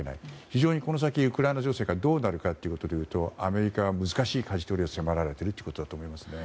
非常にこの先、ウクライナ情勢がどうなるかでいうとアメリカは難しいかじ取りを迫られているということだと思いますね。